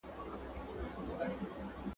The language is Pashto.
خپل هویت وپېژنئ.